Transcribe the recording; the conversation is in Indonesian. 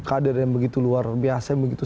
kader yang begitu luar biasa begitu